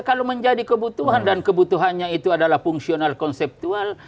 kalau menjadi kebutuhan dan kebutuhannya itu adalah fungsional konseptual